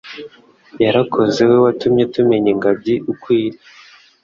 Yarakoze we watumye tumenya ingagi uko iri,